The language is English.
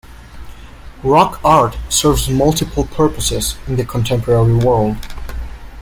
Rock art serves multiple purposes in the contemporary world.